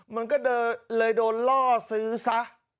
มันก็เลยโดนล่อซื้อซะ